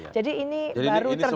jadi ini baru terjadi